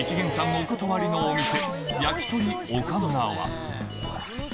お断りのお店